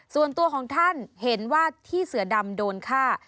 ส่วนตัวของท่านเห็นว่าที่เสือดำโดนฆ่า